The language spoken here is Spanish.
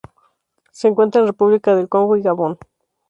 Se encuentra en República del Congo y Gabón.